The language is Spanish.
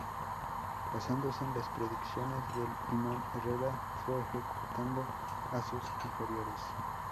Basándose en las predicciones del imán, Herrera fue ejecutando a sus inferiores.